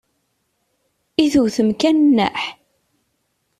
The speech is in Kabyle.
I tewtem kan nneḥ?